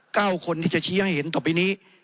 เก้าคนที่จะชี้ให้เห็นต่อไปนี้